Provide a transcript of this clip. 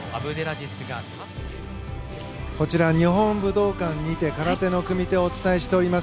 こちら日本武道館にて空手の組手をお伝えしています。